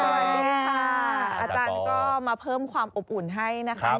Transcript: สวัสดีค่ะอาจารย์ก็มาเพิ่มความอบอุ่นให้นะครับ